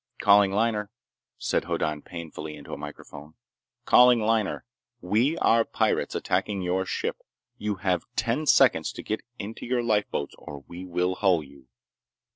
"Calling liner," said Hoddan painfully into a microphone. "Calling liner! We are pirates, attacking your ship. You have ten seconds to get into your lifeboats or we will hull you!"